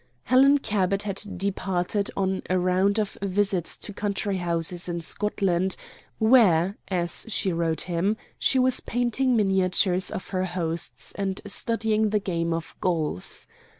Helen Cabot had departed on a round of visits to country houses in Scotland, where, as she wrote him, she was painting miniatures of her hosts and studying the game of golf.